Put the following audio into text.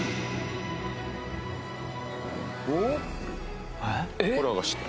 おっ！